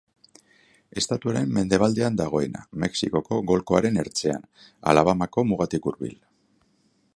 Estatuaren mendebaldean dagoena, Mexikoko Golkoaren ertzean, Alabamako mugatik hurbil.